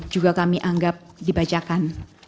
juga kami anggap dibacakan